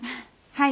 はい。